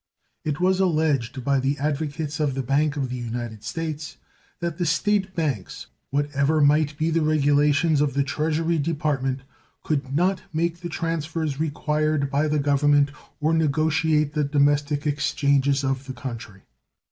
It was alleged by the advocates of the Bank of the United States that the State banks, what ever might be the regulations of the Treasury Department, could not make the transfers required by the Government or negotiate the domestic exchanges of the country.